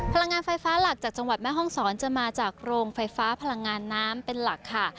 พลังงานไฟฟ้าหลักจากจังหวัดแม่ห้องศรจะมาจากโรงไฟฟ้าพลังงานน้ำเป็นหลักค่ะ